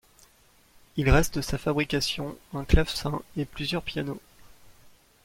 Il reste de sa fabrication un clavecin et plusieurs pianos.